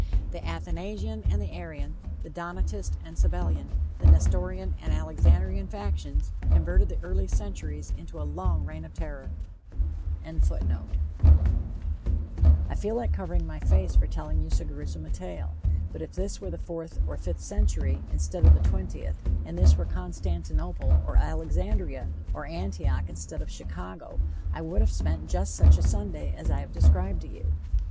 The Athanasian and the Arian, the Donatist and Sabellian, the Nestorian and Alexandrian factions converted the early centuries into a long reign of terror.] I feel like covering my face for telling you so grewsome a tale. But if this were the fourth or the fifth century, instead of the twentieth, and this were Constantinople, or Alexandria, or Antioch, instead of Chicago, I would have spent just such a Sunday as I have described to you.